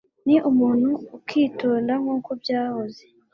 Ni umuntu ukitonda nkuko byahoze.